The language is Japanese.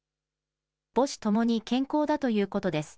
母子ともに健康だということです。